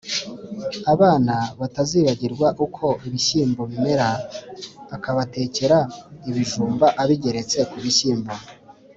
abana batazibagirwa uko ibishyimbo bimera akabatekera ibijumba abigeretse ku bishyimbo